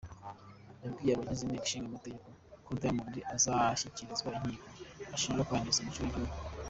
Yabwiye abagize Inteko Nshingamategeko ko Diamond azashyikirizwa inkiko ashinjwa kwangiza umuco w’igihugu.